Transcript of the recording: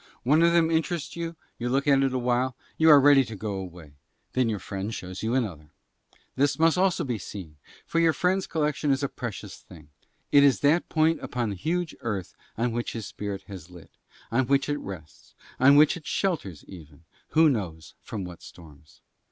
One of them interests you, you look at it awhile, you are ready to go away: then your friend shows you another. This also must be seen; for your friend's collection is a precious thing; it is that point upon huge Earth on which his spirit has lit, on which it rests, on which it shelters even (who knows from what storms?).